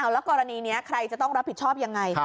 แล้วกรณีนี้ใครจะต้องรับผิดชอบยังไง